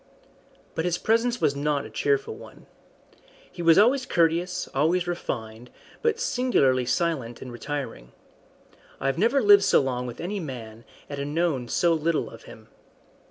But his presence was not a cheerful one. He was always courteous, always refined, but singularly silent and retiring. I have never lived so long with any man and known so little of him.